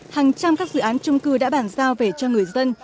hàng trăm các dự án trung cư đã bàn giao về cho người dân